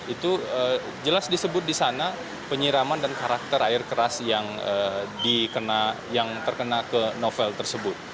itu jelas disebut di sana penyiraman dan karakter air keras yang terkena ke novel tersebut